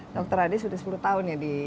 dokter radis sudah sepuluh tahun ya